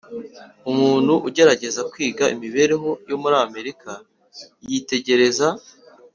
Umuntu ugerageza kwiga imibereho yo muri Amerika yitegereza